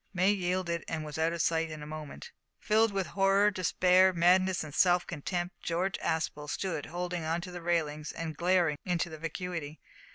May yielded, and was out of sight in a moment. Filled with horror, despair, madness, and self contempt, George Aspel stood holding on to the railings and glaring into vacuity.